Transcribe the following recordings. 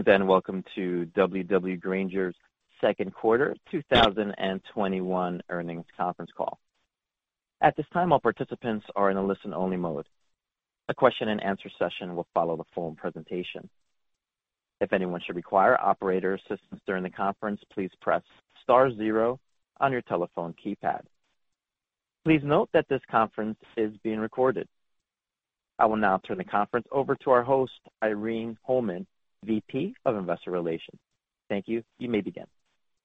Good evening, and welcome to W.W. Grainger's Second Quarter 2021 Earnings Conference Call. I will now turn the conference over to our host, Irene Holman, VP of Investor Relations. Thank you. You may begin.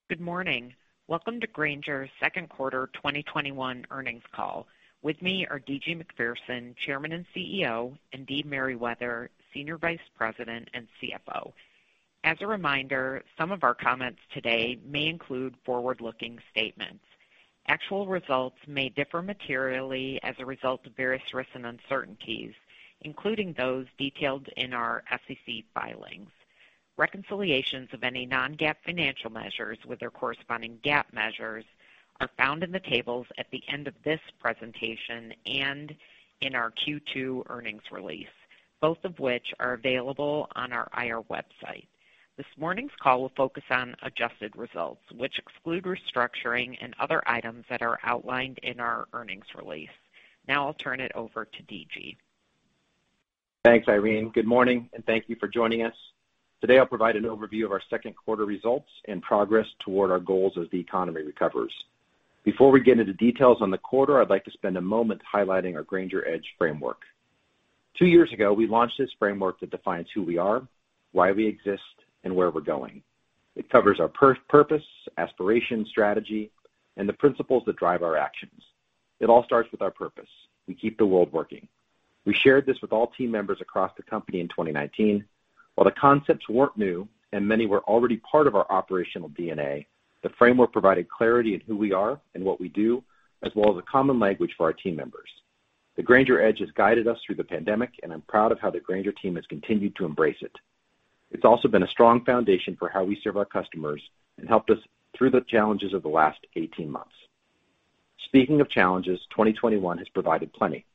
Good morning. Welcome to Grainger's second quarter 2021 earnings call. With me are D.G. Macpherson, Chairman and CEO, and Dee Merriwether, Senior Vice President and CFO. As a reminder, some of our comments today may include forward-looking statements. Actual results may differ materially as a result of various risks and uncertainties, including those detailed in our SEC filings. Reconciliations of any non-GAAP financial measures with their corresponding GAAP measures are found in the tables at the end of this presentation and in our Q2 earnings release, both of which are available on our IR website. This morning's call will focus on adjusted results, which exclude restructuring and other items that are outlined in our earnings release. I'll turn it over to D.G. Thanks, Irene. Good morning, thank you for joining us. Today, I'll provide an overview of our second quarter results and progress toward our goals as the economy recovers. Before we get into details on the quarter, I'd like to spend a moment highlighting our Grainger Edge framework. Two years ago, we launched this framework that defines who we are, why we exist, and where we're going. It covers our purpose, aspiration, strategy, and the principles that drive our actions. It all starts with our purpose, we keep the world working. We shared this with all team members across the company in 2019. While the concepts weren't new and many were already part of our operational DNA, the framework provided clarity in who we are and what we do, as well as a common language for our team members. The Grainger Edge has guided us through the pandemic, and I'm proud of how the Grainger team has continued to embrace it. It's also been a strong foundation for how we serve our customers and helped us through the challenges of the last 18 months. Speaking of challenges, 2021 has provided plenty.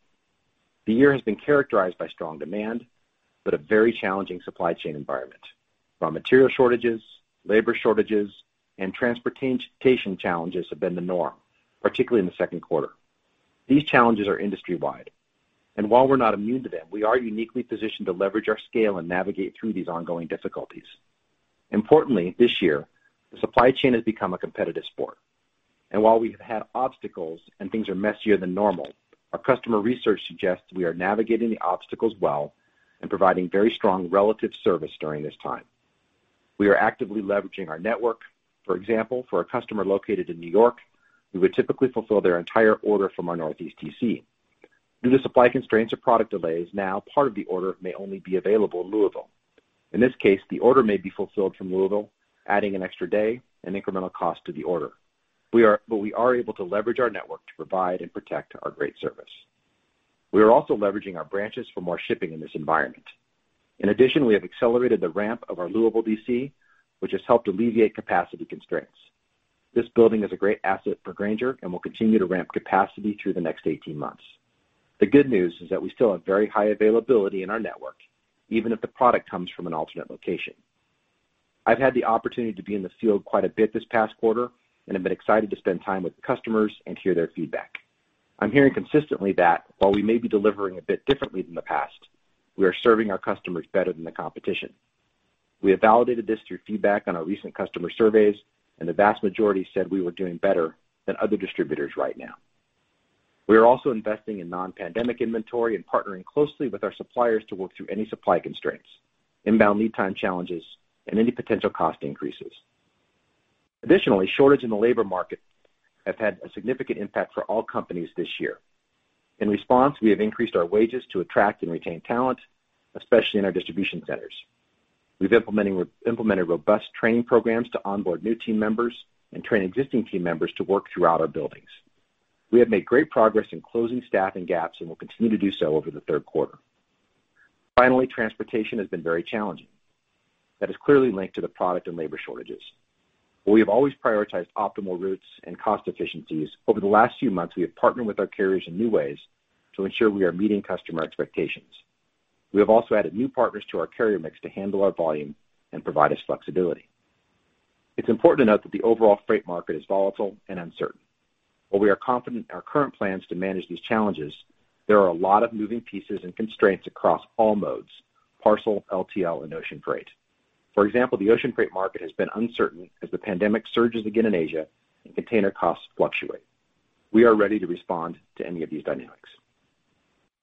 The year has been characterized by strong demand, but a very challenging supply chain environment. Raw material shortages, labor shortages, and transportation challenges have been the norm, particularly in the second quarter. These challenges are industry-wide, and while we're not immune to them, we are uniquely positioned to leverage our scale and navigate through these ongoing difficulties. Importantly, this year, the supply chain has become a competitive sport, and while we have had obstacles and things are messier than normal, our customer research suggests we are navigating the obstacles well and providing very strong relative service during this time. We are actively leveraging our network. For example, for a customer located in New York, we would typically fulfill their entire order from our Northeast DC. Due to supply constraints or product delays, now part of the order may only be available in Louisville. In this case, the order may be fulfilled from Louisville, adding an extra one day and incremental cost to the order. We are able to leverage our network to provide and protect our great service. We are also leveraging our branches for more shipping in this environment. In addition, we have accelerated the ramp of our Louisville DC, which has helped alleviate capacity constraints. This building is a great asset for Grainger and will continue to ramp capacity through the next 18 months. The good news is that we still have very high availability in our network, even if the product comes from an alternate location. I've had the opportunity to be in the field quite a bit this past quarter, and I've been excited to spend time with customers and hear their feedback. I'm hearing consistently that while we may be delivering a bit differently than the past, we are serving our customers better than the competition. We have validated this through feedback on our recent customer surveys, and the vast majority said we were doing better than other distributors right now. We are also investing in non-pandemic inventory and partnering closely with our suppliers to work through any supply constraints, inbound lead time challenges, and any potential cost increases. Additionally, shortage in the labor market have had a significant impact for all companies this year. In response, we have increased our wages to attract and retain talent, especially in our distribution centers. We've implemented robust training programs to onboard new team members and train existing team members to work throughout our buildings. We have made great progress in closing staffing gaps and will continue to do so over the third quarter. Finally, transportation has been very challenging. That is clearly linked to the product and labor shortages. While we have always prioritized optimal routes and cost efficiencies, over the last few months, we have partnered with our carriers in new ways to ensure we are meeting customer expectations. We have also added new partners to our carrier mix to handle our volume and provide us flexibility. It's important to note that the overall freight market is volatile and uncertain. While we are confident in our current plans to manage these challenges, there are a lot of moving pieces and constraints across all modes, parcel, LTL, and ocean freight. For example, the ocean freight market has been uncertain as the pandemic surges again in Asia and container costs fluctuate. We are ready to respond to any of these dynamics.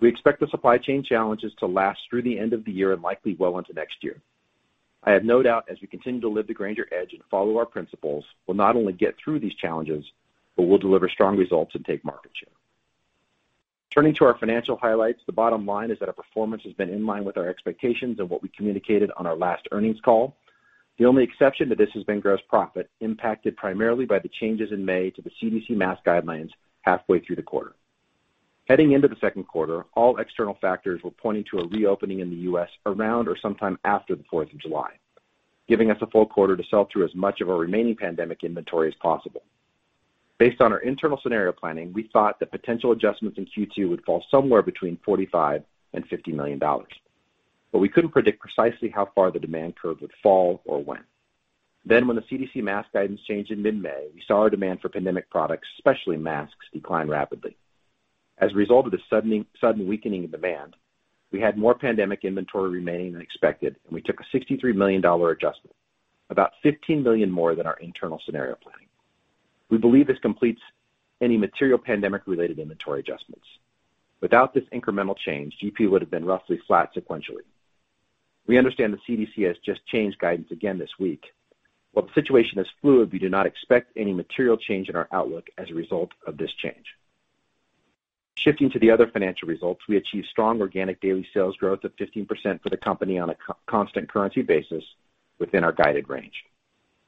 We expect the supply chain challenges to last through the end of the year and likely well into next year. I have no doubt as we continue to live the Grainger Edge and follow our principles, we'll not only get through these challenges, but we'll deliver strong results and take market share. Turning to our financial highlights, the bottom line is that our performance has been in line with our expectations and what we communicated on our last earnings call. The only exception to this has been gross profit, impacted primarily by the changes in May to the CDC mask guidelines halfway through the quarter. Heading into the second quarter, all external factors were pointing to a reopening in the U.S. around or sometime after the 4th of July, giving us a full quarter to sell through as much of our remaining pandemic inventory as possible. Based on our internal scenario planning, we thought that potential adjustments in Q2 would fall somewhere between $45 million and $50 million. We couldn't predict precisely how far the demand curve would fall or when. When the CDC mask guidance changed in mid-May, we saw our demand for pandemic products, especially masks, decline rapidly. As a result of the sudden weakening of demand, we had more pandemic inventory remaining than expected, and we took a $63 million adjustment, about $15 million more than our internal scenario planning. We believe this completes any material pandemic-related inventory adjustments. Without this incremental change, GP would've been roughly flat sequentially. We understand the CDC has just changed guidance again this week. While the situation is fluid, we do not expect any material change in our outlook as a result of this change. Shifting to the other financial results, we achieved strong organic daily sales growth of 15% for the company on a constant currency basis within our guided range.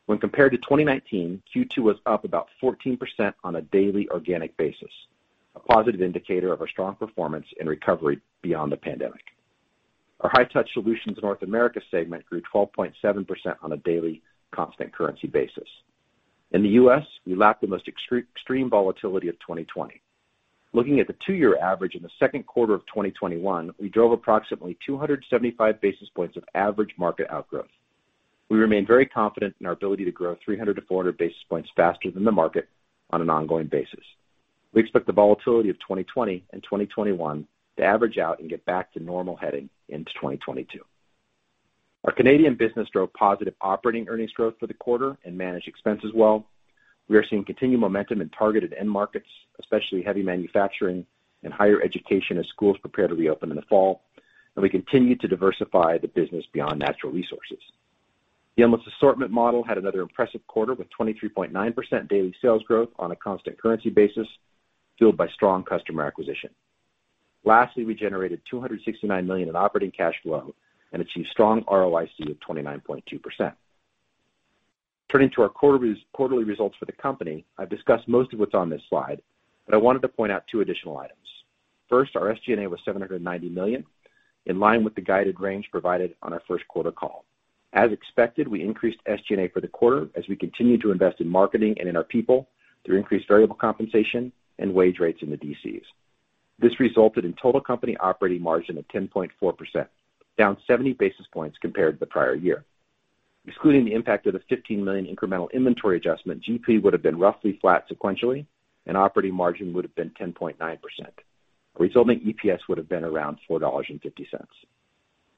When compared to 2019, Q2 was up about 14% on a daily organic basis, a positive indicator of our strong performance and recovery beyond the pandemic. Our High-Touch Solutions North America segment grew 12.7% on a daily constant currency basis. In the U.S., we lacked the most extreme volatility of 2020. Looking at the two-year average in the second quarter of 2021, we drove approximately 275 basis points of average market outgrowth. We remain very confident in our ability to grow 300 to 400 basis points faster than the market on an ongoing basis. We expect the volatility of 2020 and 2021 to average out and get back to normal heading into 2022. Our Canadian business drove positive operating earnings growth for the quarter and managed expenses well. We are seeing continued momentum in targeted end markets, especially heavy manufacturing and higher education, as schools prepare to reopen in the fall, and we continue to diversify the business beyond natural resources. The Endless Assortment model had another impressive quarter with 23.9% daily sales growth on a constant currency basis, fueled by strong customer acquisition. Lastly, we generated $269 million in operating cash flow and achieved strong ROIC of 29.2%. Turning to our quarterly results for the company, I've discussed most of what's on this slide, but I wanted to point out two additional items. First, our SG&A was $790 million, in line with the guided range provided on our first quarter call. As expected, we increased SG&A for the quarter as we continue to invest in marketing and in our people through increased variable compensation and wage rates in the DCs. This resulted in total company operating margin of 10.4%, down 70 basis points compared to the prior year. Excluding the impact of the $15 million incremental inventory adjustment, GP would've been roughly flat sequentially, and operating margin would've been 10.9%. Our resulting EPS would've been around $4.50.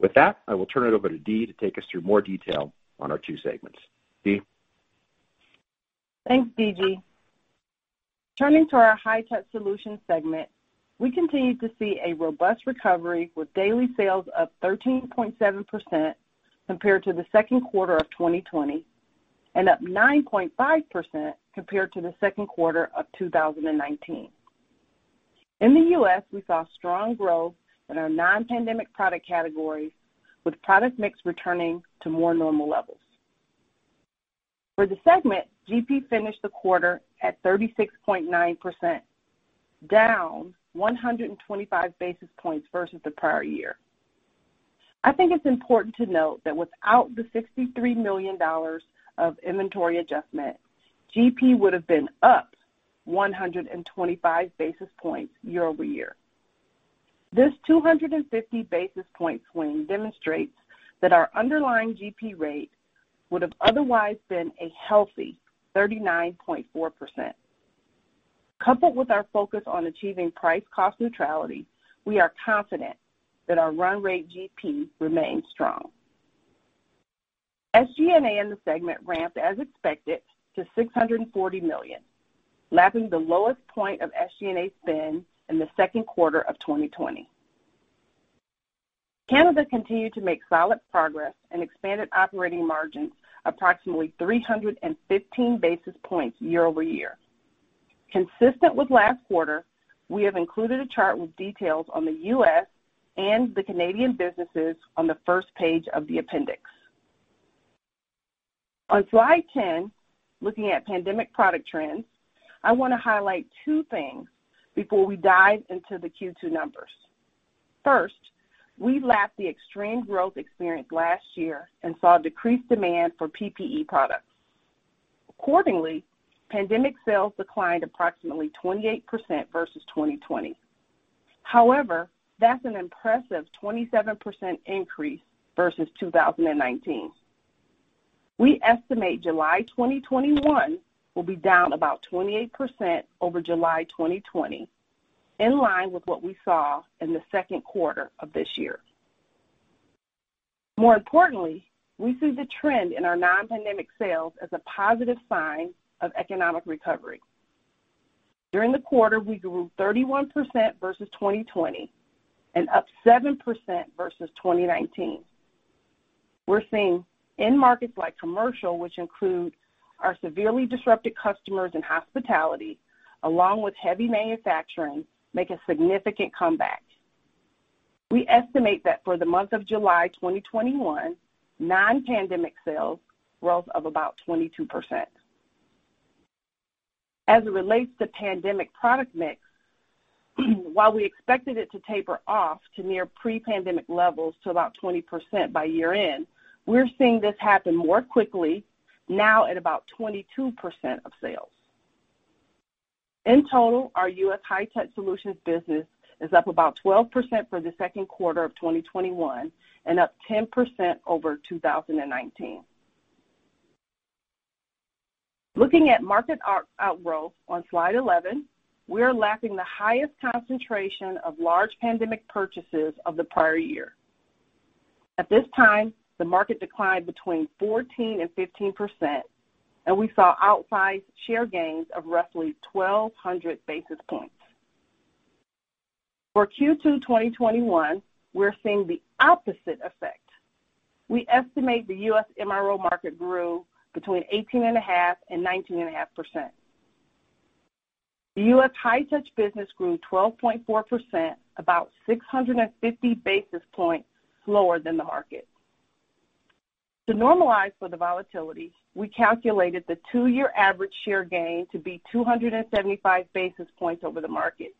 With that, I will turn it over to Dee to take us through more detail on our two segments. Dee? Thanks, D.G. Turning to our High-Touch Solutions segment, we continue to see a robust recovery with daily sales up 13.7% compared to the second quarter of 2020, and up 9.5% compared to the second quarter of 2019. In the U.S., we saw strong growth in our non-pandemic product categories, with product mix returning to more normal levels. For the segment, GP finished the quarter at 36.9%, down 125 basis points versus the prior year. I think it's important to note that without the $63 million of inventory adjustment, GP would've been up 125 basis points year-over-year. This 250 basis point swing demonstrates that our underlying GP rate would've otherwise been a healthy 39.4%. Coupled with our focus on achieving price cost neutrality, we are confident that our run rate GP remains strong. SG&A in the segment ramped as expected to $640 million, lapping the lowest point of SG&A spend in the second quarter of 2020. Canada continued to make solid progress and expanded operating margins approximately 315 basis points year-over-year. Consistent with last quarter, we have included a chart with details on the U.S. and the Canadian businesses on the first page of the appendix. On slide 10, looking at pandemic product trends, I wanna highlight two things before we dive into the Q2 numbers. First, we lapped the extreme growth experienced last year and saw decreased demand for PPE products. Accordingly, pandemic sales declined approximately 28% versus 2020. However, that's an impressive 27% increase versus 2019. We estimate July 2021 will be down about 28% over July 2020, in line with what we saw in the second quarter of this year. More importantly, we see the trend in our non-pandemic sales as a positive sign of economic recovery. During the quarter, we grew 31% versus 2020 and up 7% versus 2019. We're seeing end markets like commercial, which include our severely disrupted customers in hospitality, along with heavy manufacturing, make a significant comeback. We estimate that for the month of July 2021, non-pandemic sales growth of about 22%. As it relates to pandemic product mix. While we expected it to taper off to near pre-pandemic levels to about 20% by year-end, we're seeing this happen more quickly now at about 22% of sales. In total, our U.S. High-Touch Solutions business is up about 12% for the second quarter of 2021 and up 10% over 2019. Looking at market outgrowth on slide 11, we are lapping the highest concentration of large pandemic purchases of the prior year. At this time, the market declined between 14% and 15%, and we saw outsized share gains of roughly 1,200 basis points. For Q2 2021, we're seeing the opposite effect. We estimate the U.S. MRO market grew between 18.5% and 19.5%. The U.S. High-Touch business grew 12.4%, about 650 basis points lower than the market. To normalize for the volatility, we calculated the two-year average share gain to be 275 basis points over the market.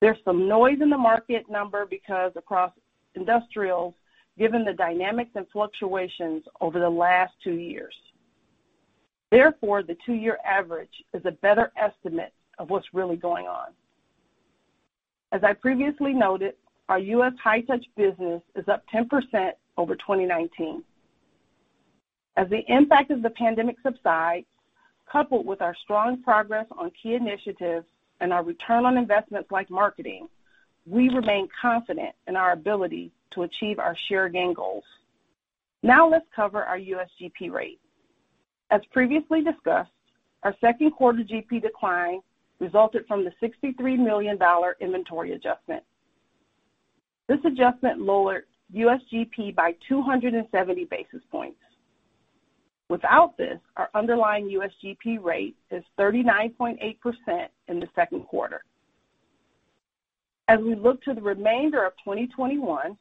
There's some noise in the market number because across industrials, given the dynamics and fluctuations over the last two years. Therefore, the two-year average is a better estimate of what's really going on. As I previously noted, our U.S. High-Touch business is up 10% over 2019. As the impact of the pandemic subsides, coupled with our strong progress on key initiatives and our return on investments like marketing, we remain confident in our ability to achieve our share gain goals. Now let's cover our U.S. GP rate. As previously discussed, our second quarter GP decline resulted from the $63 million inventory adjustment. This adjustment lowered U.S. GP by 270 basis points. Without this, our underlying U.S. GP rate is 39.8% in the second quarter. As we look to the remainder of 2021,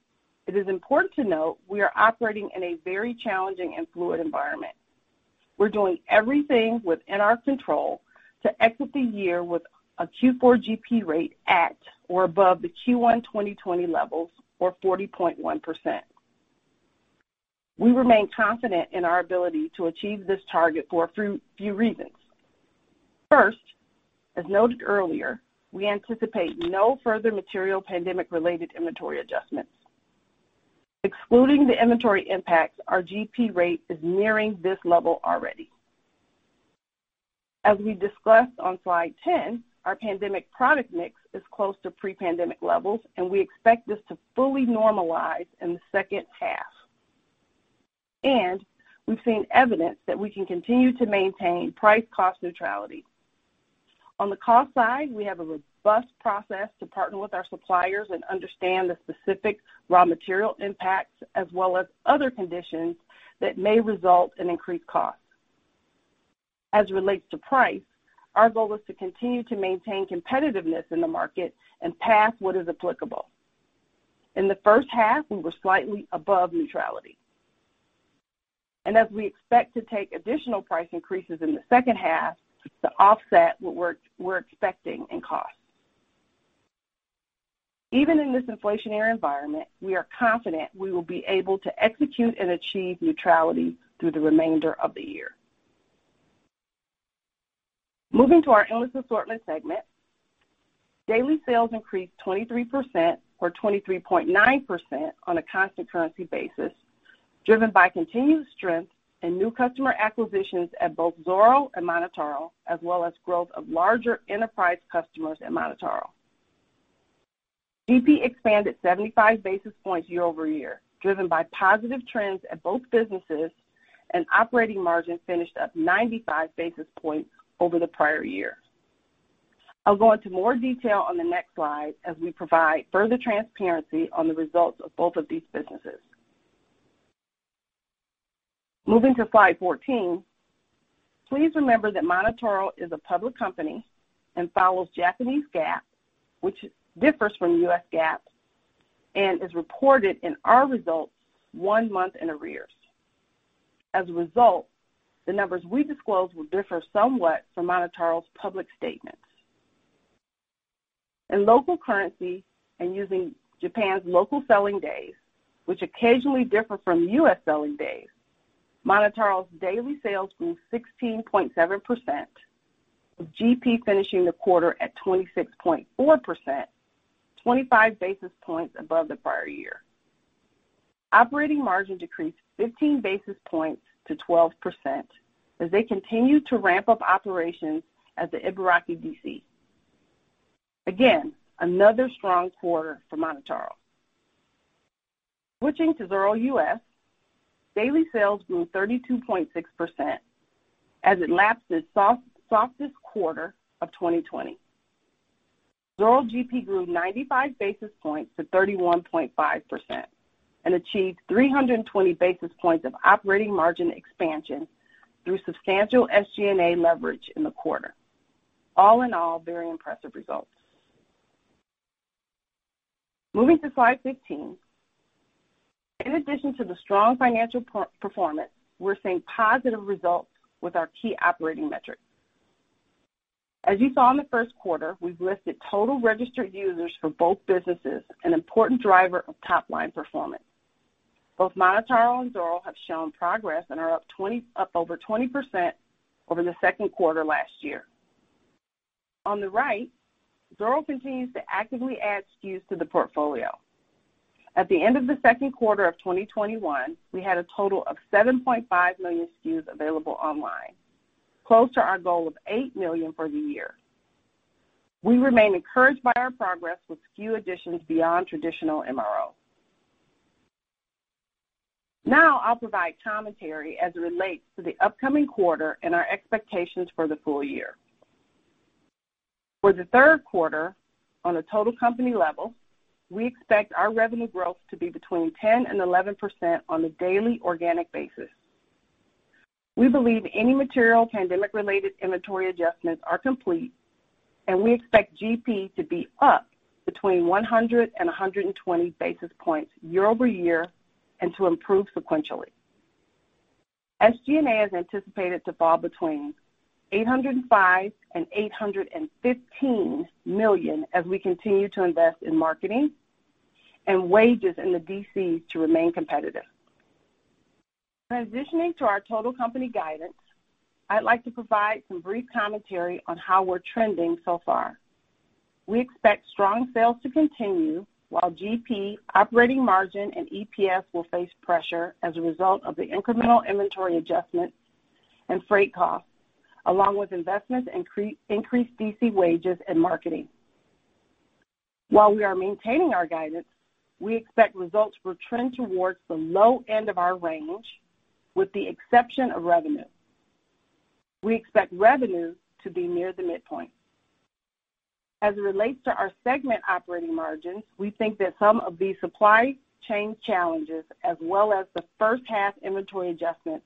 it is important to note we are operating in a very challenging and fluid environment. We're doing everything within our control to exit the year with a Q4 GP rate at or above the Q1 2020 levels, or 40.1%. We remain confident in our ability to achieve this target for a few reasons. First, as noted earlier, we anticipate no further material pandemic-related inventory adjustments. Excluding the inventory impacts, our GP rate is nearing this level already. As we discussed on slide 10, our pandemic product mix is close to pre-pandemic levels. We expect this to fully normalize in the second half. We've seen evidence that we can continue to maintain price cost neutrality. On the cost side, we have a robust process to partner with our suppliers and understand the specific raw material impacts, as well as other conditions that may result in increased costs. As it relates to price, our goal is to continue to maintain competitiveness in the market and pass what is applicable. In the first half, we were slightly above neutrality. As we expect to take additional price increases in the second half to offset what we're expecting in costs. Even in this inflationary environment, we are confident we will be able to execute and achieve neutrality through the remainder of the year. Moving to our Endless Assortment segment, daily sales increased 23%, or 23.9% on a constant currency basis, driven by continued strength and new customer acquisitions at both Zoro and MonotaRO, as well as growth of larger enterprise customers at MonotaRO. GP expanded 75 basis points year-over-year, driven by positive trends at both businesses, and operating margin finished up 95 basis points over the prior year. I'll go into more detail on the next slide as we provide further transparency on the results of both of these businesses. Moving to slide 14, please remember that MonotaRO is a public company and follows Japanese GAAP, which differs from U.S. GAAP and is reported in our results one month in arrears. As a result, the numbers we disclose will differ somewhat from MonotaRO's public statements. In local currency and using Japan's local selling days, which occasionally differ from U.S. selling days, MonotaRO's daily sales grew 16.7%, with GP finishing the quarter at 26.4%, 25 basis points above the prior year. Operating margin decreased 15 basis points to 12% as they continue to ramp up operations at the Ibaraki DC. Again, another strong quarter for MonotaRO. Switching to Zoro US, daily sales grew 32.6% as it lapsed its softest quarter of 2020. Zoro GP grew 95 basis points to 31.5% and achieved 320 basis points of operating margin expansion through substantial SG&A leverage in the quarter. All in all, very impressive results. Moving to slide 15. In addition to the strong financial performance, we're seeing positive results with our key operating metrics. As you saw in the first quarter, we've listed total registered users for both businesses, an important driver of top-line performance. Both MonotaRO and Zoro have shown progress and are up over 20% over the second quarter last year. On the right, Zoro continues to actively add SKUs to the portfolio. At the end of the second quarter of 2021, we had a total of 7.5 million SKUs available online, close to our goal of 8 million for the year. We remain encouraged by our progress with SKU additions beyond traditional MRO. Now I'll provide commentary as it relates to the upcoming quarter and our expectations for the full year. For the third quarter, on a total company level, we expect our revenue growth to be between 10% and 11% on a daily organic basis. We believe any material pandemic-related inventory adjustments are complete, and we expect GP to be up between 100 and 120 basis points year-over-year and to improve sequentially. SG&A is anticipated to fall between $805 million and $815 million as we continue to invest in marketing and wages in the DCs to remain competitive. Transitioning to our total company guidance, I'd like to provide some brief commentary on how we're trending so far. We expect strong sales to continue while GP operating margin and EPS will face pressure as a result of the incremental inventory adjustments and freight costs, along with investments, increased DC wages, and marketing. While we are maintaining our guidance, we expect results will trend towards the low end of our range, with the exception of revenue. We expect revenue to be near the midpoint. As it relates to our segment operating margins, we think that some of these supply chain challenges, as well as the first half inventory adjustments,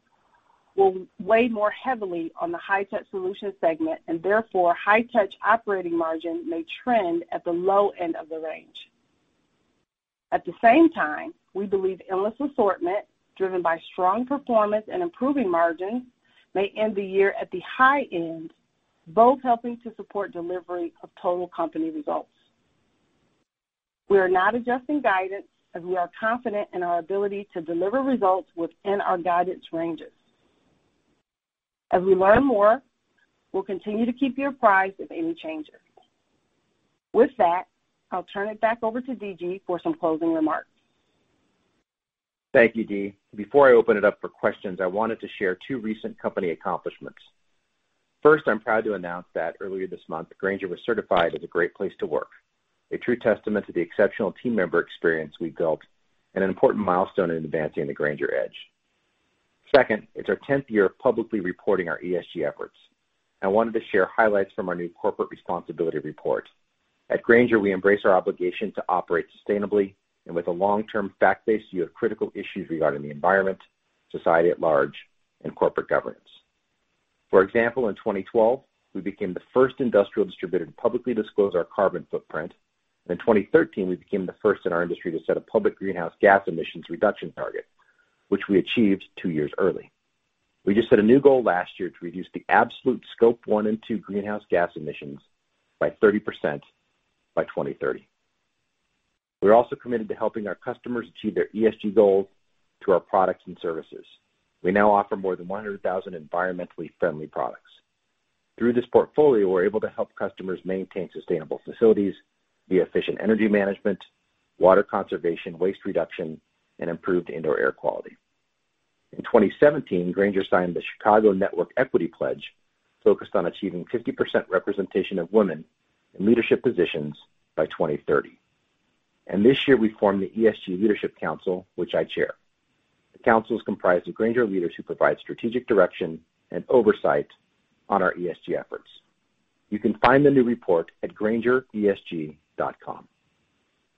will weigh more heavily on the High-Touch Solutions segment, and therefore, High-Touch operating margin may trend at the low end of the range. At the same time, we believe Endless Assortment, driven by strong performance and improving margins, may end the year at the high end, both helping to support delivery of total company results. We are not adjusting guidance, as we are confident in our ability to deliver results within our guidance ranges. As we learn more, we'll continue to keep you apprised of any changes. With that, I'll turn it back over to D.G. for some closing remarks. Thank you, Dee. Before I open it up for questions, I wanted to share two recent company accomplishments. First, I'm proud to announce that earlier this month, Grainger was certified as a Great Place to Work, a true testament to the exceptional team member experience we've built and an important milestone in advancing the Grainger Edge. Second, it's our 10th year of publicly reporting our ESG efforts, and I wanted to share highlights from our new corporate responsibility report. At Grainger, we embrace our obligation to operate sustainably and with a long-term fact-based view of critical issues regarding the environment, society at large, and corporate governance. For example, in 2012, we became the first industrial distributor to publicly disclose our carbon footprint. In 2013, we became the first in our industry to set a public greenhouse gas emissions reduction target, which we achieved two years early. We just set a new goal last year to reduce the absolute Scope 1 and 2 greenhouse gas emissions by 30% by 2030. We're also committed to helping our customers achieve their ESG goals through our products and services. We now offer more than 100,000 environmentally friendly products. Through this portfolio, we're able to help customers maintain sustainable facilities via efficient energy management, water conservation, waste reduction, and improved indoor air quality. In 2017, Grainger signed the Chicago Network Equity Pledge, focused on achieving 50% representation of women in leadership positions by 2030. This year, we formed the ESG Leadership Council, which I chair. The council is comprised of Grainger leaders who provide strategic direction and oversight on our ESG efforts. You can find the new report at graingeresg.com.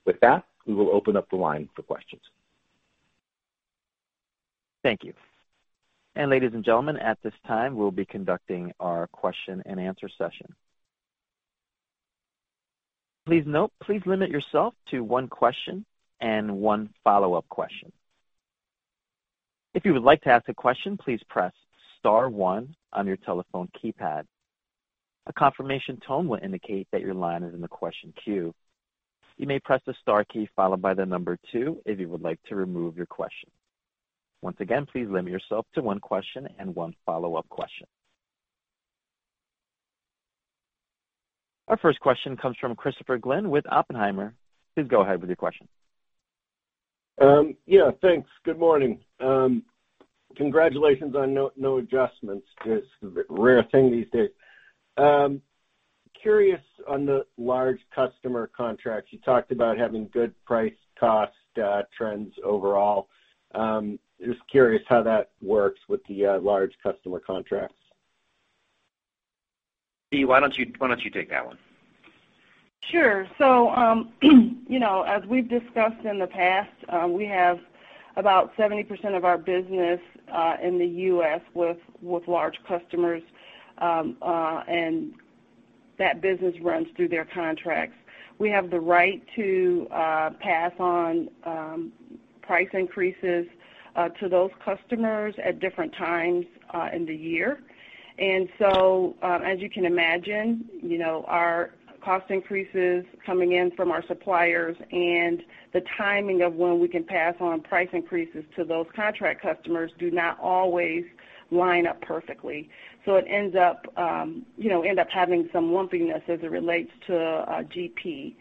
With that, we will open up the line for questions. Thank you. Ladies and gentlemen, at this time, we'll be conducting our question and answer session. Our first question comes from Christopher Glynn with Oppenheimer. Please go ahead with your question. Yeah, thanks. Good morning. Congratulations on no adjustments. It is a rare thing these days. Curious on the large customer contracts? You talked about having good price cost trends overall. Just curious how that works with the large customer contracts? Dee, why don't you take that one? Sure. As we've discussed in the past, we have about 70% of our business in the U.S. with large customers, and that business runs through their contracts. We have the right to pass on price increases to those customers at different times in the year. As you can imagine, our cost increases coming in from our suppliers and the timing of when we can pass on price increases to those contract customers do not always line up perfectly. It ends up having some lumpiness as it relates to GP.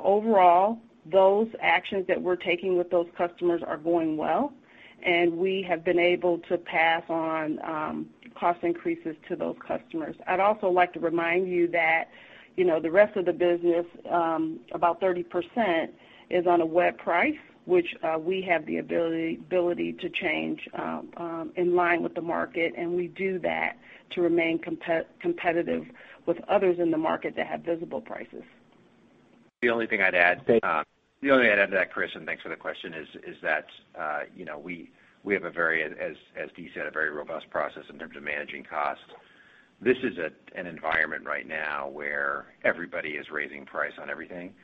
Overall, those actions that we're taking with those customers are going well, and we have been able to pass on cost increases to those customers. I'd also like to remind you that the rest of the business, about 30%, is on a web price, which we have the ability to change in line with the market, and we do that to remain competitive with others in the market that have visible prices. The only thing I'd add to that, Chris, and thanks for the question, is that we have, as Dee said, a very robust process in terms of managing costs. This is an environment right now where everybody is raising price on everything,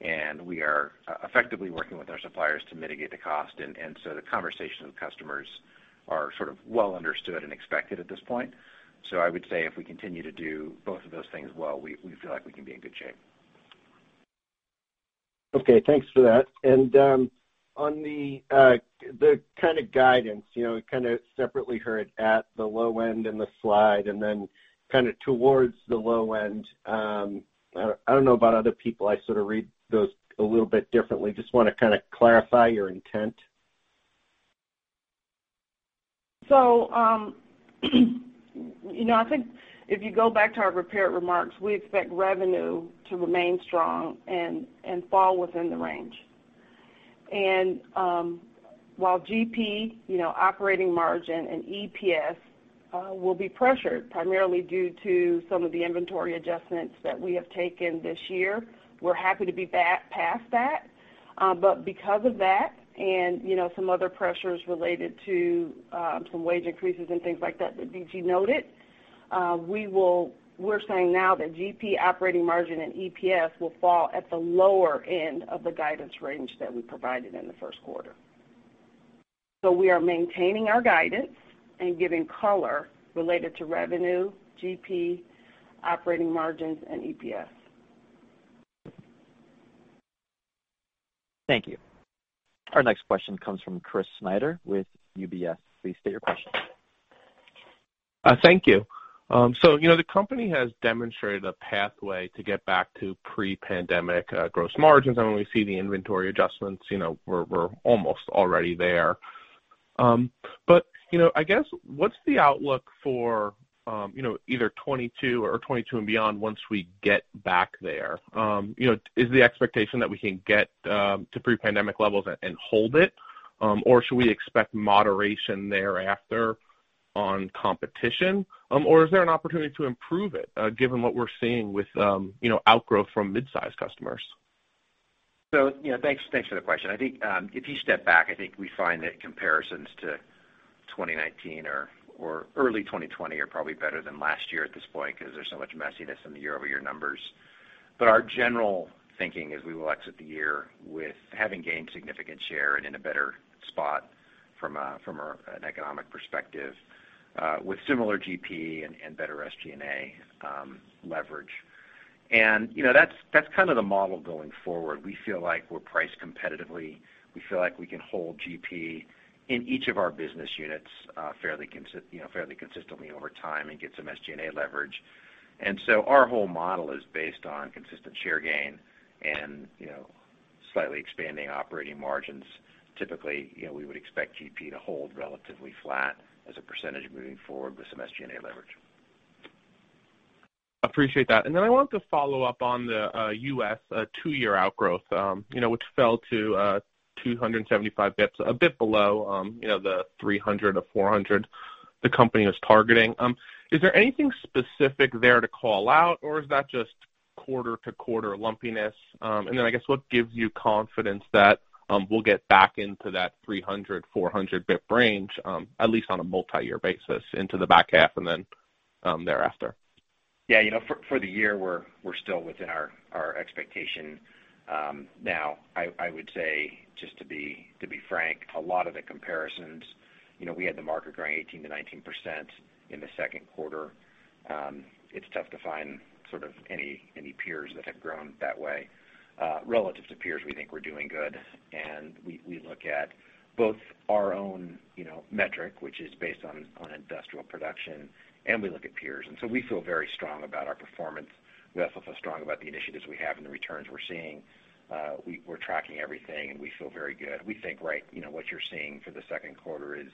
and we are effectively working with our suppliers to mitigate the cost. The conversation with customers are sort of well understood and expected at this point. I would say if we continue to do both of those things well, we feel like we can be in good shape. Okay, thanks for that. On the kind of guidance, kind of separately heard at the low end in the slide and then kind of towards the low end. I don't know about other people, I sort of read those a little bit differently. Just want to kind of clarify your intent. I think if you go back to our prepared remarks, we expect revenue to remain strong and fall within the range. While GP operating margin and EPS will be pressured, primarily due to some of the inventory adjustments that we have taken this year, we're happy to be past that. Because of that and some other pressures related to some wage increases and things like that D.G. noted, we're saying now that GP operating margin and EPS will fall at the lower end of the guidance range that we provided in the first quarter. We are maintaining our guidance and giving color related to revenue, GP, operating margins, and EPS. Thank you. Our next question comes from Chris Snyder with UBS. Please state your question. Thank you. The company has demonstrated a pathway to get back to pre-pandemic gross margins, and when we see the inventory adjustments, we're almost already there. I guess, what's the outlook for either 2022 or 2022 and beyond once we get back there? Is the expectation that we can get to pre-pandemic levels and hold it? Should we expect moderation thereafter on competition? Is there an opportunity to improve it, given what we're seeing with outgrowth from mid-size customers? Thanks for the question. I think if you step back, I think we find that comparisons to 2019 or early 2020 are probably better than last year at this point because there's so much messiness in the year-over-year numbers. Our general thinking is we will exit the year with having gained significant share and in a better spot from an economic perspective with similar GP and better SG&A leverage. That's kind of the model going forward. We feel like we're priced competitively. We feel like we can hold GP in each of our business units fairly consistently over time and get some SG&A leverage. Our whole model is based on consistent share gain and slightly expanding operating margins. Typically, we would expect GP to hold relatively flat as a percentage moving forward with some SG&A leverage. Appreciate that. I wanted to follow up on the U.S. two-year outgrowth which fell to 275 basis points, a bit below the 300 basis points-400 basis points the company was targeting. Is there anything specific there to call out, or is that just quarter-to-quarter lumpiness? I guess what gives you confidence that we'll get back into that 300 basis points-400 basis point range, at least on a multi-year basis into the back half and then thereafter? Yeah. For the year, we're still within our expectation. I would say, just to be frank, a lot of the comparisons, we had the market growing 18%-19% in the second quarter. It's tough to find sort of any peers that have grown that way. Relative to peers, we think we're doing good, and we look at both our own metric, which is based on industrial production, and we look at peers. We feel very strong about our performance. We also feel strong about the initiatives we have and the returns we're seeing. We're tracking everything, and we feel very good. We think what you're seeing for the second quarter is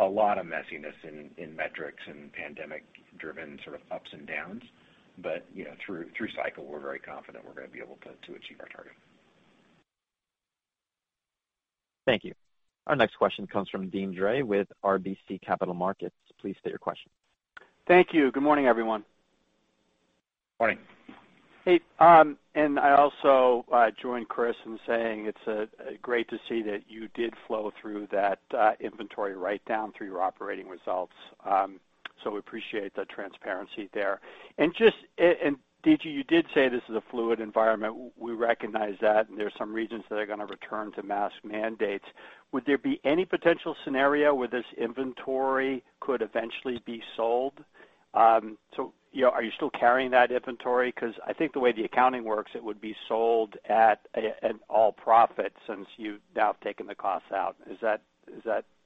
a lot of messiness in metrics and pandemic-driven sort of ups and downs. Through cycle, we're very confident we're going to be able to achieve our target. Thank you. Our next question comes from Deane Dray with RBC Capital Markets. Please state your question. Thank you. Good morning, everyone. Morning. Hey. I also join Chris in saying it's great to see that you did flow through that inventory write-down through your operating results. We appreciate the transparency there. D.G., you did say this is a fluid environment. We recognize that, and there are some regions that are going to return to mask mandates. Would there be any potential scenario where this inventory could eventually be sold? Are you still carrying that inventory? Because I think the way the accounting works, it would be sold at all profit since you've now taken the costs out. Is that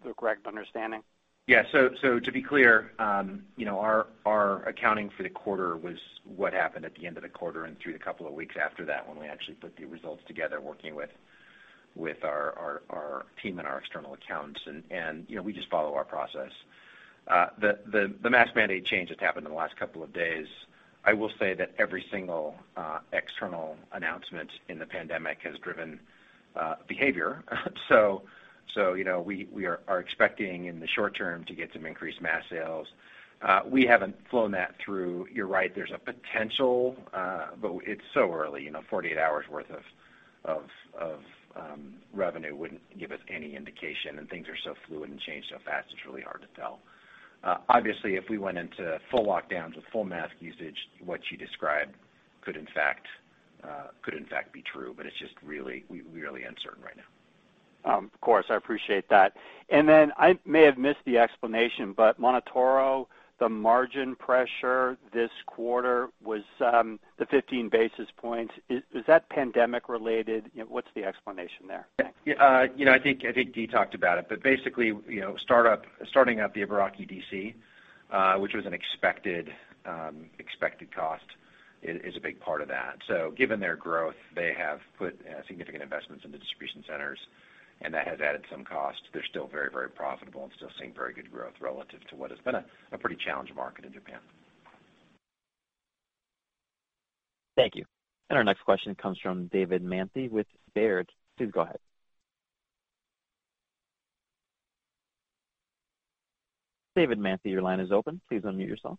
the correct understanding? Yeah. To be clear, our accounting for the quarter was what happened at the end of the quarter and through a couple of weeks after that when we actually put the results together, working with our team and our external accountants. We just follow our process. The mask mandate change that has happened in the last couple of days, I will say that every single external announcement in the pandemic has driven behavior. We are expecting in the short term to get some increased mask sales. We haven't flown that through. You are right, there is a potential, but it is so early. 48 hours worth of revenue wouldn't give us any indication, and things are so fluid and change so fast, it is really hard to tell. Obviously, if we went into full lockdowns with full mask usage, what you described could in fact be true, but it's just really uncertain right now. Of course. I appreciate that. I may have missed the explanation, but MonotaRO, the margin pressure this quarter was the 15 basis points. Is that pandemic related? What's the explanation there? Yeah. I think Dee talked about it. Basically, starting up the Ibaraki DC, which was an expected cost, is a big part of that. Given their growth, they have put significant investments in the distribution centers, and that has added some cost. They're still very profitable and still seeing very good growth relative to what has been a pretty challenged market in Japan. Thank you. Our next question comes from David Manthey with Baird. Please go ahead. David Manthey, your line is open. Please unmute yourself.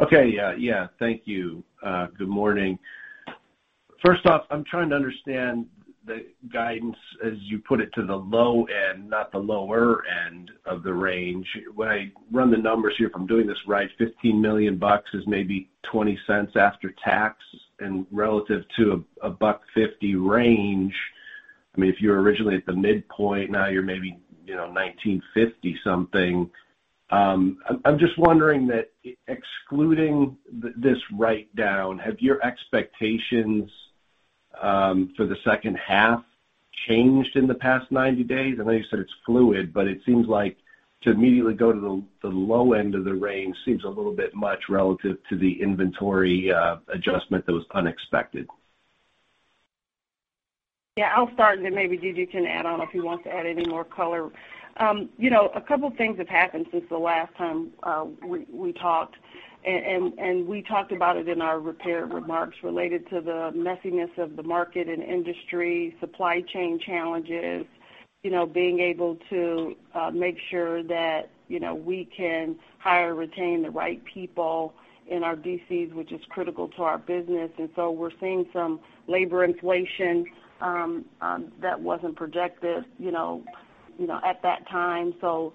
Okay. Yeah. Thank you. Good morning. First off, I'm trying to understand the guidance as you put it to the low end, not the lower end of the range. When I run the numbers here, if I'm doing this right, $15 million is maybe $0.20 after tax and relative to a $1.50 range. If you were originally at the midpoint, now you're maybe, $19.50 something. I'm just wondering that excluding this write-down, have your expectations for the second half changed in the past 90 days? I know you said it's fluid, but it seems like to immediately go to the low end of the range seems a little bit much relative to the inventory adjustment that was unexpected. I'll start and then maybe D.G. can add on if he wants to add any more color. A couple of things have happened since the last time we talked, and we talked about it in our prepared remarks related to the messiness of the market and industry supply chain challenges, being able to make sure that we can hire and retain the right people in our DCs, which is critical to our business. We're seeing some labor inflation that wasn't projected at that time.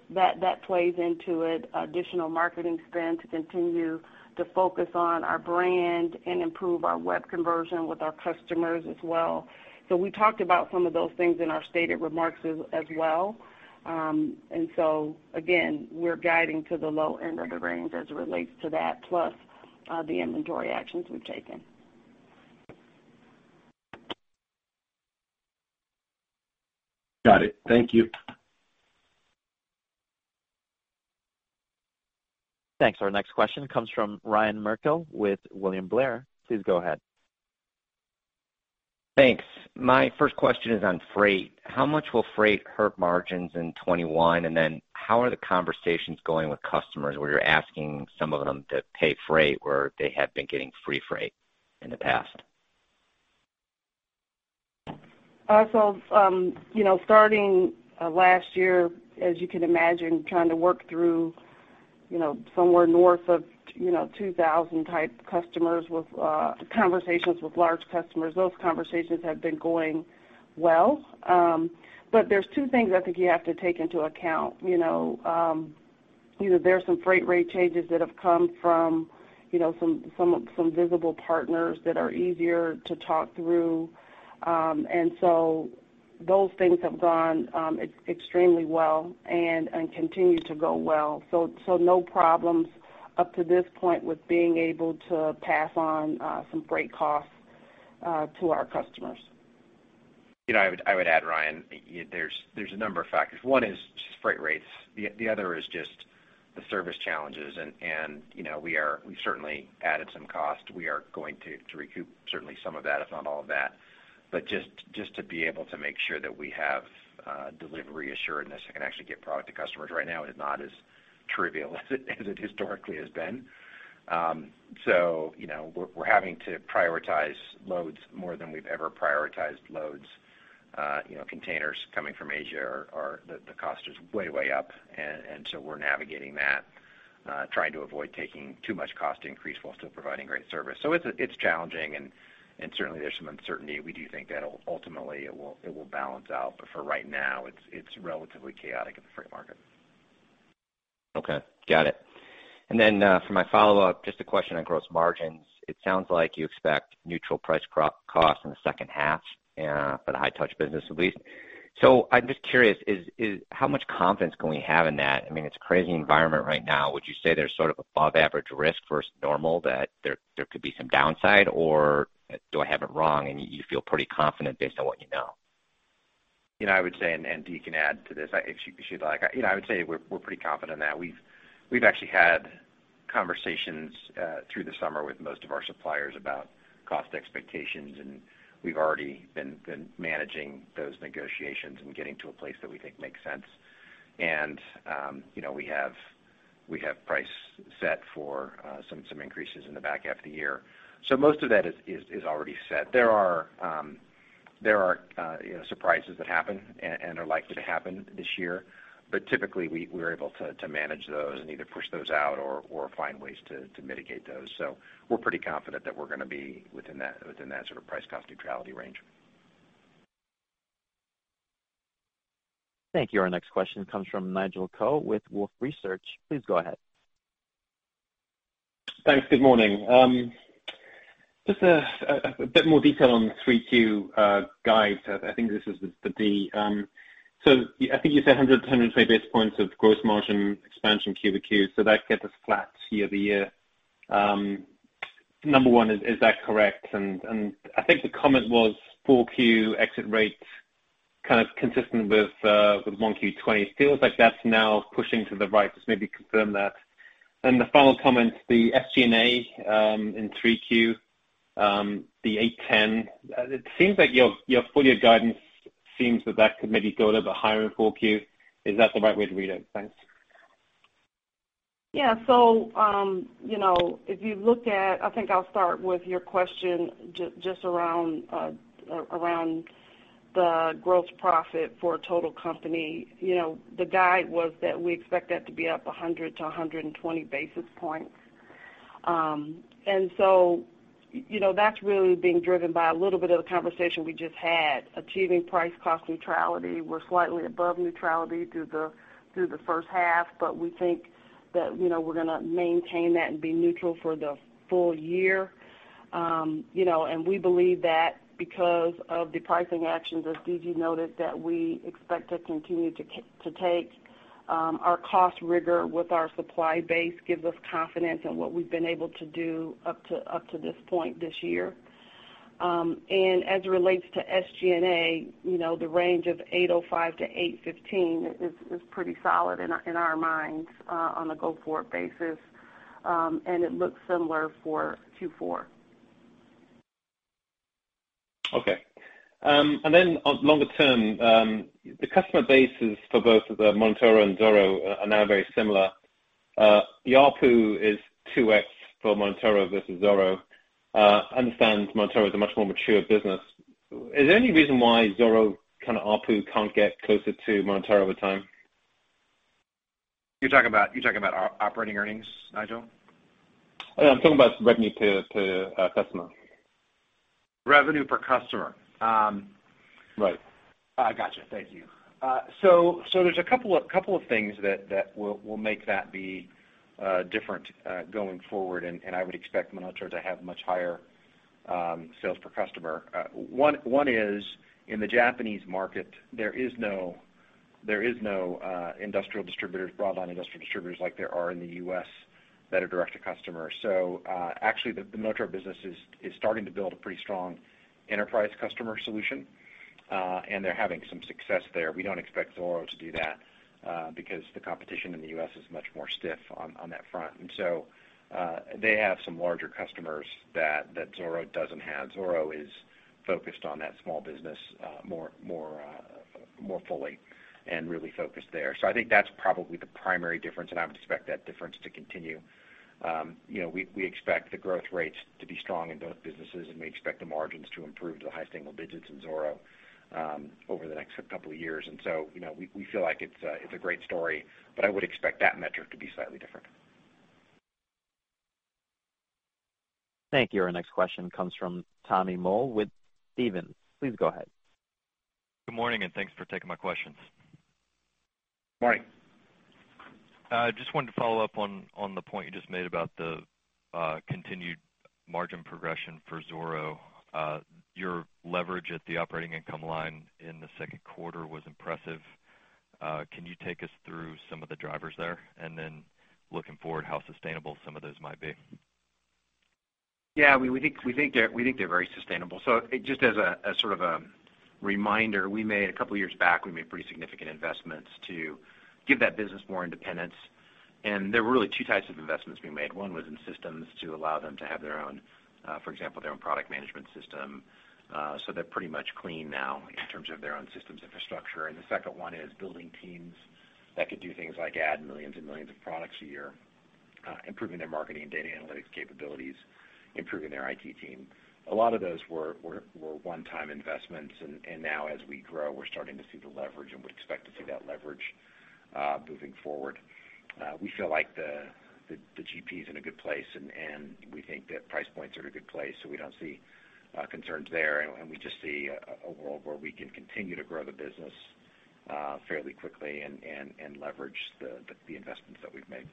That plays into it. Additional marketing spend to continue to focus on our brand and improve our web conversion with our customers as well. We talked about some of those things in our stated remarks as well. Again, we're guiding to the low end of the range as it relates to that, plus the inventory actions we've taken. Got it. Thank you. Thanks. Our next question comes from Ryan Merkel with William Blair. Please go ahead. Thanks. My first question is on freight. How much will freight hurt margins in 2021? How are the conversations going with customers where you're asking some of them to pay freight where they have been getting free freight in the past? Starting last year, as you can imagine, trying to work through somewhere north of 2,000 type customers with conversations with large customers, those conversations have been going well. There's two things I think you have to take into account. There are some freight rate changes that have come from some visible partners that are easier to talk through. Those things have gone extremely well and continue to go well. No problems up to this point with being able to pass on some freight costs to our customers. I would add, Ryan, there's a number of factors. One is just freight rates. The other is just the service challenges. We certainly added some cost. We are going to recoup certainly some of that, if not all of that. Just to be able to make sure that we have delivery assuredness and can actually get product to customers right now is not as trivial as it historically has been. We're having to prioritize loads more than we've ever prioritized loads. Containers coming from Asia, the cost is way up. We're navigating that, trying to avoid taking too much cost increase while still providing great service. It's challenging, and certainly there's some uncertainty. We do think that ultimately, it will balance out. For right now, it's relatively chaotic in the freight market. Okay. Got it. Then for my follow-up, just a question on gross margins. It sounds like you expect neutral price cost in the second half for the High-Touch business at least. I'm just curious, how much confidence can we have in that? It's a crazy environment right now. Would you say there's sort of above average risk versus normal that there could be some downside, or do I have it wrong and you feel pretty confident based on what you know? I would say. Dee can add to this if she'd like. I would say we're pretty confident in that. We've actually had conversations through the summer with most of our suppliers about cost expectations. We've already been managing those negotiations and getting to a place that we think makes sense. We have price set for some increases in the back half of the year. Most of that is already set. There are surprises that happen and are likely to happen this year. Typically, we're able to manage those and either push those out or find ways to mitigate those. We're pretty confident that we're going to be within that sort of price cost neutrality range. Thank you. Our next question comes from Nigel Coe with Wolfe Research. Please go ahead. Thanks. Good morning. Just a bit more detail on the 3Q guide. I think this is for Dee. I think you said 100 basis points-120 basis points of gross margin expansion quarter-over-quarter, so that gets us flat year-over-year. Number one, is that correct? I think the comment was 4Q exit rates kind of consistent with 1Q 2020. It feels like that's now pushing to the right. Just maybe confirm that. The final comment, the SG&A in 3Q, the $810 million. It seems like your full year guidance seems that could maybe go a little bit higher in 4Q. Is that the right way to read it? Thanks. Yeah. I think I'll start with your question just around the gross profit for total company. The guide was that we expect that to be up 100 basis points-120 basis points. That's really being driven by a little bit of the conversation we just had. Achieving price cost neutrality. We're slightly above neutrality through the first half, but we think that we're going to maintain that and be neutral for the full year. We believe that because of the pricing actions, as D.G. noted, that we expect to continue to take. Our cost rigor with our supply base gives us confidence in what we've been able to do up to this point this year. As it relates to SG&A, the range of $805 million-$815 million is pretty solid in our minds on a go-forward basis. It looks similar for Q4. Okay. On longer term, the customer bases for both the MonotaRO and Zoro are now very similar. The ARPU is 2x for MonotaRO versus Zoro. Understand MonotaRO is a much more mature business. Is there any reason why Zoro kind of ARPU can't get closer to MonotaRO over time? You're talking about operating earnings, Nigel? I'm talking about revenue per customer. Revenue per customer. Right. Got you. Thank you. There's a couple of things that will make that be different going forward, and I would expect MonotaRO to have much higher sales per customer. One is, in the Japanese market, there is no industrial distributors, broad line industrial distributors like there are in the U.S. that are direct to customer. Actually, the MonotaRO business is starting to build a pretty strong enterprise customer solution, and they're having some success there. We don't expect Zoro to do that, because the competition in the U.S. is much more stiff on that front. They have some larger customers that Zoro doesn't have. Zoro is focused on that small business more fully and really focused there. I think that's probably the primary difference, and I would expect that difference to continue. We expect the growth rates to be strong in both businesses, and we expect the margins to improve to the high single digits in Zoro over the next couple years. We feel like it's a great story, but I would expect that metric to be slightly different. Thank you. Our next question comes from Tommy Moll with Stephens. Please go ahead. Good morning. Thanks for taking my questions. Morning. Just wanted to follow up on the point you just made about the continued margin progression for Zoro. Your leverage at the operating income line in the second quarter was impressive. Can you take us through some of the drivers there? Then looking forward, how sustainable some of those might be? We think they're very sustainable. Just as a sort of a reminder, a couple of years back, we made pretty significant investments to give that business more independence. There were really two types of investments we made. One was in systems to allow them to have their own, for example, their own product management system. They're pretty much clean now in terms of their own infrastructure. The second one is building teams that could do things like add millions and millions of products a year, improving their marketing and data analytics capabilities, improving their IT team. A lot of those were one-time investments, and now as we grow, we're starting to see the leverage, and we expect to see that leverage moving forward. We feel like the GP is in a good place, and we think that price points are in a good place. We don't see concerns there, and we just see a world where we can continue to grow the business fairly quickly and leverage the investments that we've made.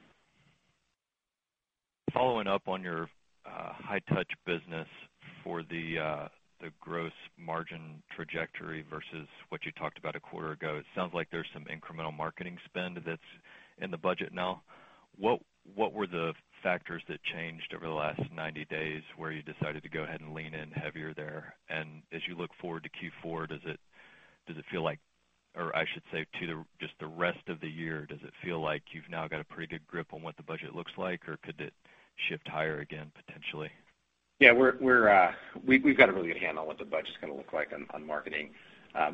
Following up on your High-Touch business for the gross margin trajectory versus what you talked about a quarter ago. It sounds like there's some incremental marketing spend that's in the budget now. What were the factors that changed over the last 90 days where you decided to go ahead and lean in heavier there? As you look forward to Q4, does it feel like, or I should say to just the rest of the year, does it feel like you've now got a pretty good grip on what the budget looks like, or could it shift higher again, potentially? Yeah. We've got a really good handle on what the budget's going to look like on marketing.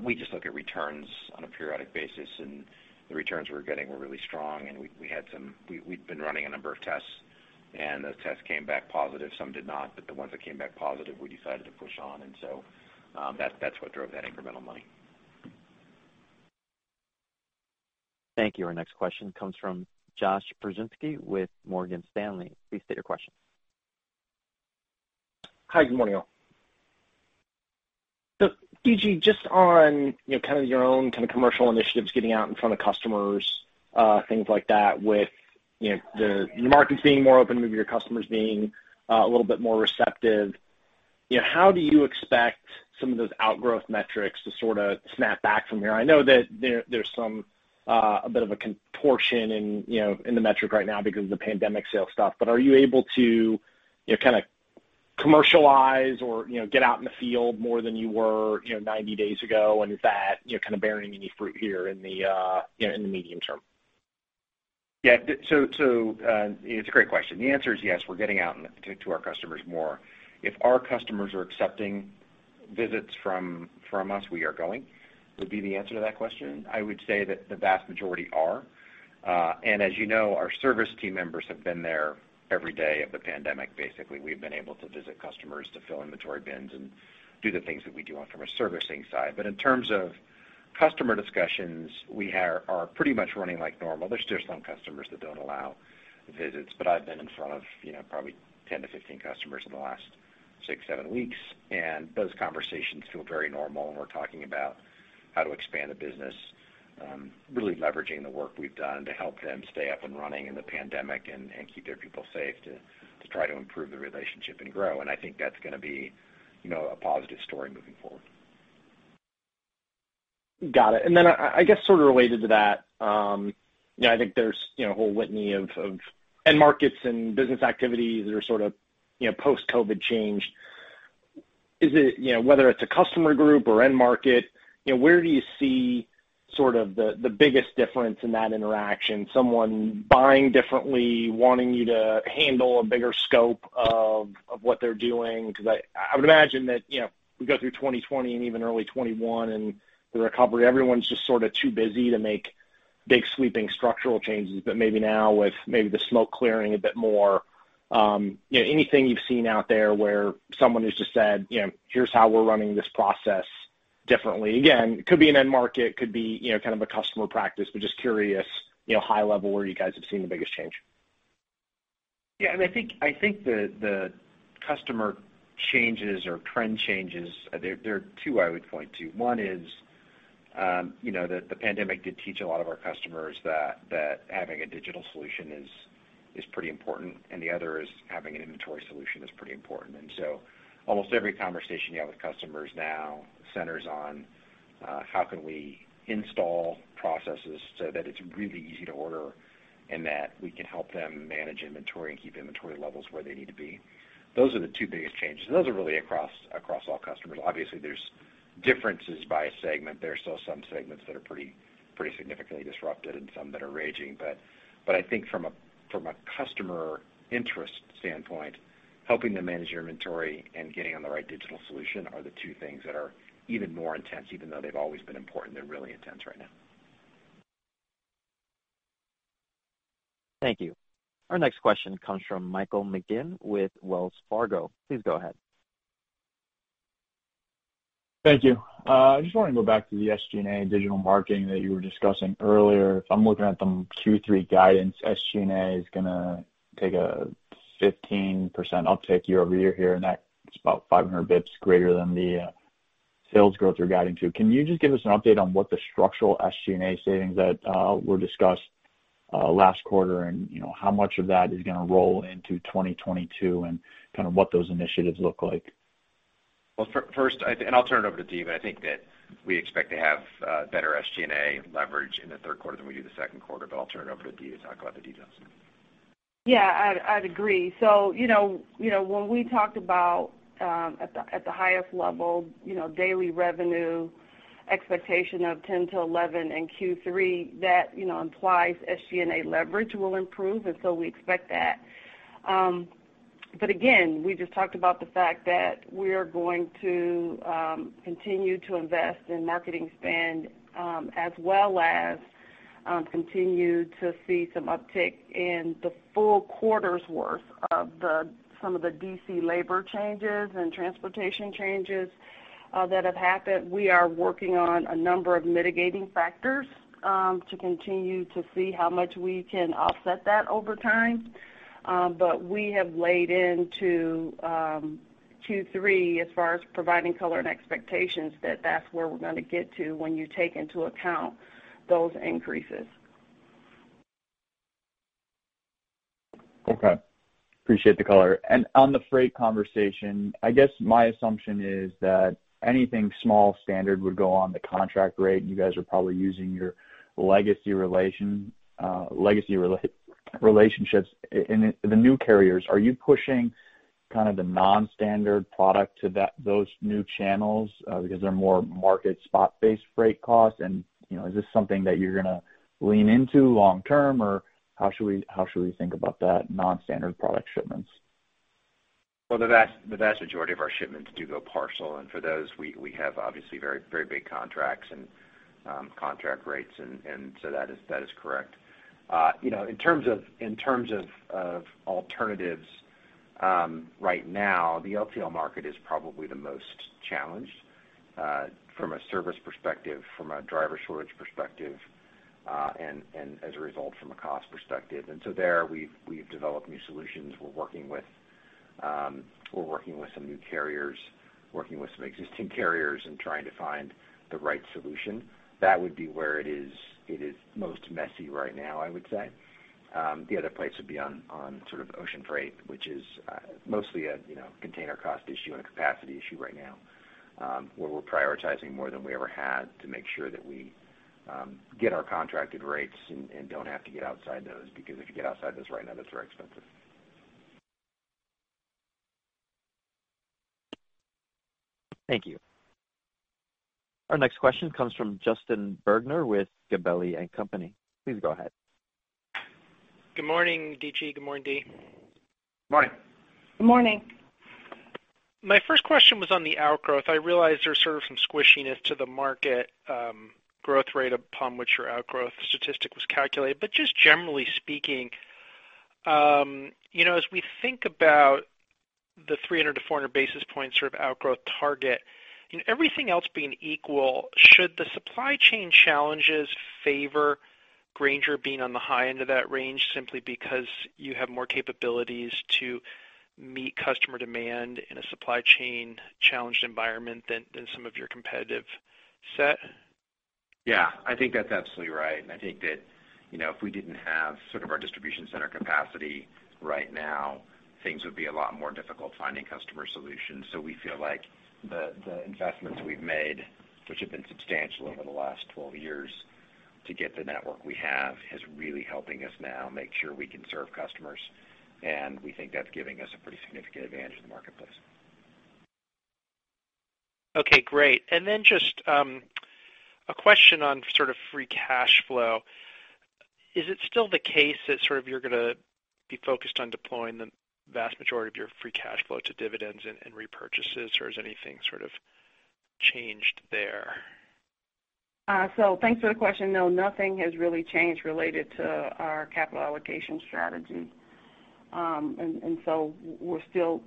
We just look at returns on a periodic basis, and the returns we were getting were really strong, and we've been running a number of tests, and those tests came back positive. Some did not, but the ones that came back positive, we decided to push on. That's what drove that incremental money. Thank you. Our next question comes from Josh Pokrzywinski with Morgan Stanley. Please state your question. Hi, good morning, all. D.G., just on kind of your own kind of commercial initiatives, getting out in front of customers, things like that with the markets being more open, maybe your customers being a little bit more receptive. How do you expect some of those outgrowth metrics to sort of snap back from here? I know that there's a bit of a contortion in the metric right now because of the pandemic sales stuff. Are you able to kind of commercialize or get out in the field more than you were 90 days ago? Is that kind of bearing any fruit here in the medium term? Yeah. It's a great question. The answer is, yes, we're getting out to our customers more. If our customers are accepting visits from us, we are going, would be the answer to that question. I would say that the vast majority are. As you know, our service team members have been there every day of the pandemic, basically. We've been able to visit customers to fill inventory bins and do the things that we do on from a servicing side. In terms of customer discussions, we are pretty much running like normal. There's still some customers that don't allow visits, but I've been in front of probably 10-15 customers in the last six, seven weeks, and those conversations feel very normal, and we're talking about how to expand the business, really leveraging the work we've done to help them stay up and running in the pandemic and keep their people safe to try to improve the relationship and grow. I think that's going to be a positive story moving forward. Got it. I guess sort of related to that, I think there's a whole litany of end markets and business activities that are sort of post-COVID change. Whether it's a customer group or end market, where do you see sort of the biggest difference in that interaction? Someone buying differently, wanting you to handle a bigger scope of what they're doing? I would imagine that we go through 2020 and even early 2021 and the recovery, everyone's just sort of too busy to make big sweeping structural changes. Maybe now with maybe the smoke clearing a bit more, anything you've seen out there where someone has just said, "Here's how we're running this process differently." Again, it could be an end market, could be kind of a customer practice, but just curious, high level, where you guys have seen the biggest change. I think the customer changes or trend changes, there are two I would point to. One is that the pandemic did teach a lot of our customers that having a digital solution is pretty important, and the other is having an inventory solution is pretty important. Almost every conversation you have with customers now centers on how can we install processes so that it's really easy to order and that we can help them manage inventory and keep inventory levels where they need to be. Those are the two biggest changes, and those are really across all customers. Obviously, there's differences by segment. There are still some segments that are pretty significantly disrupted and some that are raging. I think from a customer interest standpoint, helping them manage their inventory and getting on the right digital solution are the two things that are even more intense, even though they've always been important. They're really intense right now. Thank you. Our next question comes from Michael McGinn with Wells Fargo. Please go ahead. Thank you. I just want to go back to the SG&A digital marketing that you were discussing earlier. If I'm looking at the Q3 guidance, SG&A is going to take a 15% uptick year-over-year here, and that is about 500 basis points greater than the sales growth you're guiding to. Can you just give us an update on what the structural SG&A savings that were discussed last quarter and how much of that is going to roll into 2022 and kind of what those initiatives look like? Well, first, and I'll turn it over to Dee, but I think that we expect to have better SG&A leverage in the third quarter than we do the second quarter. I'll turn it over to Dee to talk about the details. Yeah, I'd agree. When we talked about, at the highest level, daily revenue expectation of 10%-11% in Q3, that implies SG&A leverage will improve, and so we expect that. Again, we just talked about the fact that we are going to continue to invest in marketing spend, as well as continue to see some uptick in the full quarter's worth of some of the DC labor changes and transportation changes that have happened. We are working on a number of mitigating factors to continue to see how much we can offset that over time. We have laid into Q3, as far as providing color and expectations, that that's where we're going to get to when you take into account those increases. Okay. Appreciate the color. On the freight conversation, I guess my assumption is that anything small standard would go on the contract rate, and you guys are probably using your legacy relationships. In the new carriers, are you pushing kind of the non-standard product to those new channels? Because they're more market spot-based freight costs and, is this something that you're going to lean into long term, or how should we think about that non-standard product shipments? Well, the vast majority of our shipments do go parcel, and for those, we have obviously very big contracts and contract rates, and so that is correct. In terms of alternatives, right now, the LTL market is probably the most challenged, from a service perspective, from a driver shortage perspective, and as a result, from a cost perspective. There, we've developed new solutions. We're working with some new carriers, working with some existing carriers and trying to find the right solution. That would be where it is most messy right now, I would say. The other place would be on sort of ocean freight, which is mostly a container cost issue and a capacity issue right now, where we're prioritizing more than we ever had to make sure that we get our contracted rates and don't have to get outside those. If you get outside those right now, that's very expensive. Thank you. Our next question comes from Justin Bergner with Gabelli & Company. Please go ahead. Good morning, D.G. Good morning, Dee. Morning. Good morning. My first question was on the outgrowth. I realize there's sort of some squishiness to the market growth rate upon which your outgrowth statistic was calculated. Just generally speaking, as we think about the 300 basis points-400 basis points sort of outgrowth target, everything else being equal, should the supply chain challenges favor Grainger being on the high end of that range simply because you have more capabilities to meet customer demand in a supply chain challenged environment than some of your competitive set? Yeah, I think that's absolutely right. I think that if we didn't have sort of our distribution center capacity right now, things would be a lot more difficult finding customer solutions. We feel like the investments we've made, which have been substantial over the last 12 years to get the network we have, is really helping us now make sure we can serve customers. We think that's giving us a pretty significant advantage in the marketplace. Okay, great. Just a question on sort of free cash flow. Is it still the case that sort of you're gonna be focused on deploying the vast majority of your free cash flow to dividends and repurchases, or has anything sort of changed there? Thanks for the question. No, nothing has really changed related to our capital allocation strategy. We're still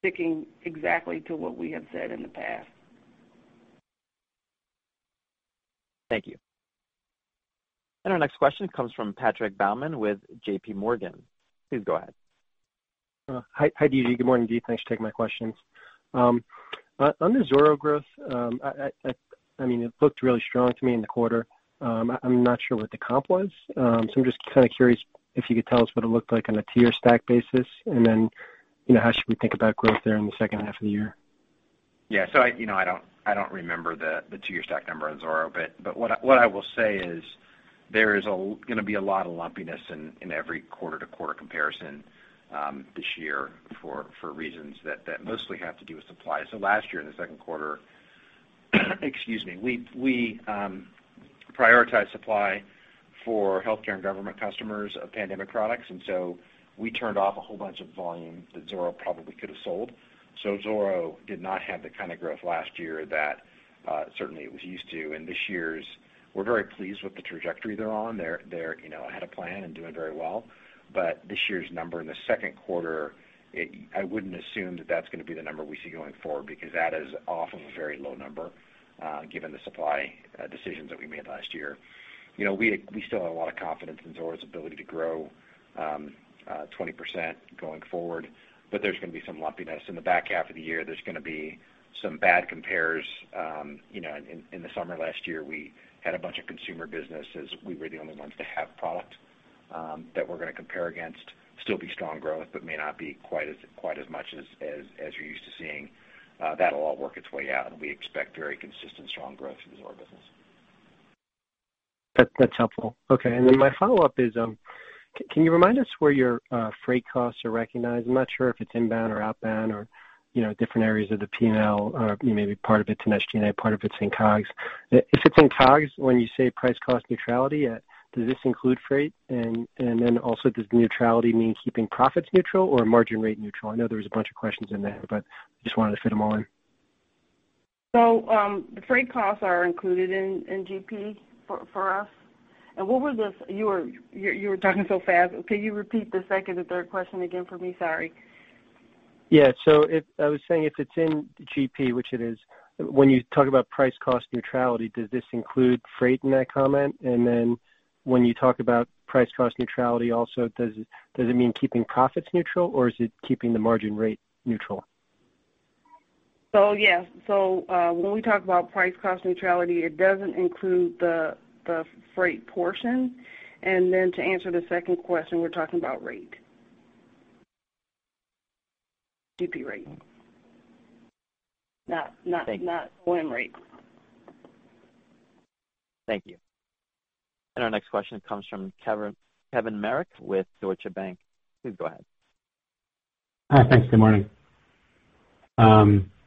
sticking exactly to what we have said in the past. Thank you. Our next question comes from Patrick Baumann with JPMorgan. Please go ahead. Hi, D.G. Good morning, Dee. Thanks for taking my questions. The Zoro growth, it looked really strong to me in the quarter. I'm not sure what the comp was. I'm just kind of curious if you could tell us what it looked like on a two-year stack basis, how should we think about growth there in the second half of the year? Yeah. I don't remember the two-year stack number on Zoro, but what I will say is there is going to be a lot of lumpiness in every quarter-to-quarter comparison this year for reasons that mostly have to do with supply. Last year, in the second quarter, excuse me, we prioritized supply for healthcare and government customers of pandemic products, and so we turned off a whole bunch of volume that Zoro probably could have sold. Zoro did not have the kind of growth last year that certainly it was used to. This year's, we're very pleased with the trajectory they're on. They're ahead of plan and doing very well. This year's number in the second quarter, I wouldn't assume that that's going to be the number we see going forward because that is off of a very low number given the supply decisions that we made last year. We still have a lot of confidence in Zoro's ability to grow 20% going forward, but there's going to be some lumpiness. In the back half of the year, there's going to be some bad compares. In the summer last year, we had a bunch of consumer businesses. We were the only ones to have product that we're going to compare against. Still be strong growth, but may not be quite as much as you're used to seeing. That'll all work its way out, and we expect very consistent, strong growth in the Zoro business. That's helpful. Okay, my follow-up is, can you remind us where your freight costs are recognized? I'm not sure if it's inbound or outbound or different areas of the P&L or maybe part of it's in SG&A, part of it's in COGS. If it's in COGS, when you say price cost neutrality, does this include freight? Also, does neutrality mean keeping profits neutral or margin rate neutral? I know there was a bunch of questions in there, but I just wanted to fit them all in. The freight costs are included in GP for us. You were talking so fast. Can you repeat the second and third question again for me? Sorry. I was saying if it's in GP, which it is, when you talk about price cost neutrality, does this include freight in that comment? When you talk about price cost neutrality also, does it mean keeping profits neutral, or is it keeping the margin rate neutral? Yeah. When we talk about price cost neutrality, it doesn't include the freight portion. To answer the second question, we're talking about rate. GP rate. Thank you. Win rate. Thank you. Our next question comes from Kevin Marek with Deutsche Bank. Please go ahead. Hi. Thanks. Good morning.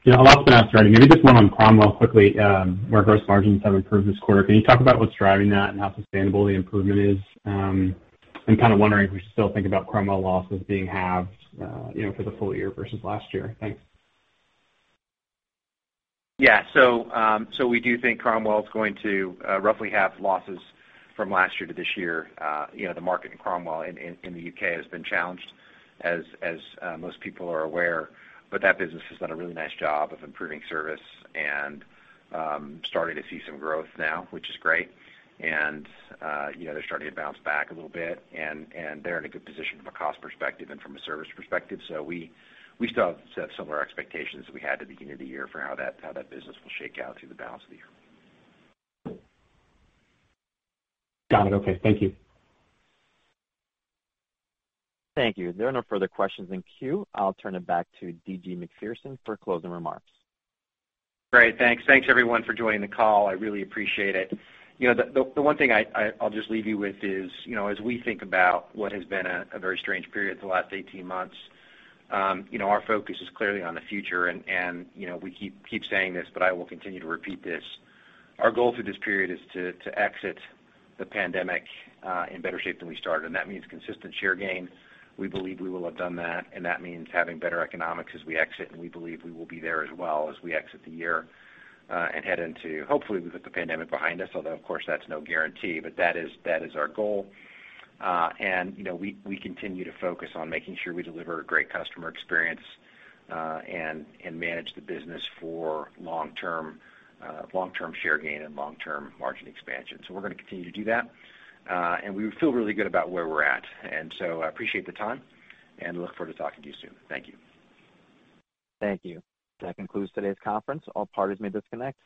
A lot's been asked already. Maybe just one on Cromwell quickly, where gross margins have improved this quarter. Can you talk about what's driving that and how sustainable the improvement is? I'm kind of wondering if we still think about Cromwell losses being halved for the full year versus last year? Thanks. Yeah. We do think Cromwell is going to roughly halve losses from last year to this year. The market in Cromwell in the U.K. has been challenged, as most people are aware. That business has done a really nice job of improving service and starting to see some growth now, which is great. They're starting to bounce back a little bit, and they're in a good position from a cost perspective and from a service perspective. We still have similar expectations that we had at the beginning of the year for how that business will shake out through the balance of the year. Got it. Okay. Thank you. Thank you. There are no further questions in queue. I'll turn it back to D.G. Macpherson for closing remarks. Great. Thanks. Thanks everyone for joining the call. I really appreciate it. The one thing I'll just leave you with is, as we think about what has been a very strange period the last 18 months, our focus is clearly on the future. We keep saying this, but I will continue to repeat this. Our goal through this period is to exit the pandemic in better shape than we started, and that means consistent share gain. We believe we will have done that, and that means having better economics as we exit, and we believe we will be there as well as we exit the year and head into, hopefully we put the pandemic behind us, although of course that's no guarantee. That is our goal. We continue to focus on making sure we deliver a great customer experience and manage the business for long-term share gain and long-term margin expansion. We're going to continue to do that. We feel really good about where we're at. I appreciate the time and look forward to talking to you soon. Thank you. Thank you. That concludes today's conference. All parties may disconnect.